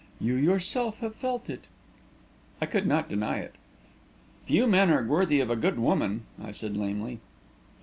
You yourself have felt it!" I could not deny it. "Few men are worthy of a good woman," I said lamely.